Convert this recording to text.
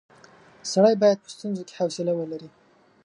سړی باید په ستونزو کې حوصله ولري.